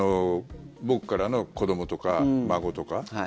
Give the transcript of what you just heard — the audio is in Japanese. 僕からの子どもとか孫とか？